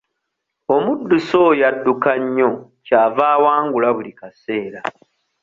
Omuddusi oyo adduka nnyo ky'ava awangula buli kaseera.